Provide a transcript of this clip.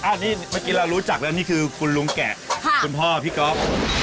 อันนี้เมื่อกี้เรารู้จักแล้วนี่คือคุณลุงแกะคุณพ่อพี่ก๊อฟ